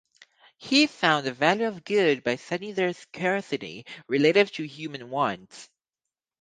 He found the value of goods by setting their scarcity relative to human wants.